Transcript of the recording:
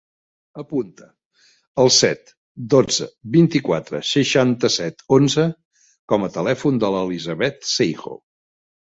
Apunta el set, dotze, vint-i-quatre, seixanta-set, onze com a telèfon de l'Elisabeth Seijo.